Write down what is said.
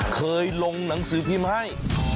เคยลงหนังสือพิมพ์ให้